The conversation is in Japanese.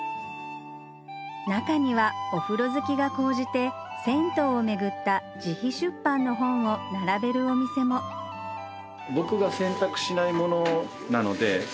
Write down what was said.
中にはお風呂好きが高じて銭湯を巡った自費出版の本を並べるお店も僕が。